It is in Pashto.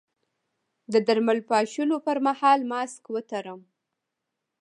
د درمل پاشلو پر مهال ماسک وتړم؟